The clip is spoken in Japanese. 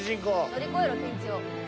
乗り越えろピンチを。